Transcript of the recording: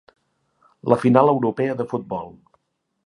La final europea de futbol.